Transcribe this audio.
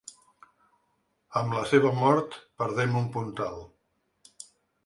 Amb la seva mort, perdem un puntal.